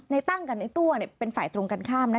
ตั้งกับในตัวเป็นฝ่ายตรงกันข้าม